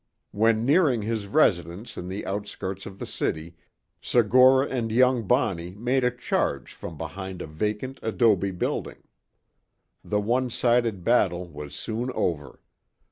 When nearing his residence in the outskirts of the city, Segura and young Bonney made a charge from behind a vacant adobe building. The one sided battle was soon over.